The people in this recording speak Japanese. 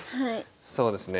そうですね。